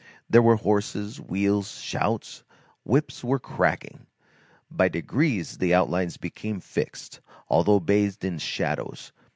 There were horses, wheels, shouts; whips were cracking. By degrees the outlines became fixed, although bathed in shadows.